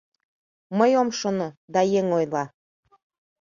— Мый ом шоно, да еҥ ойла.